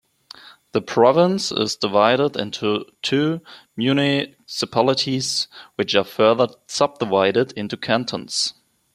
The province is divided into two municipalities which are further subdivided into cantons.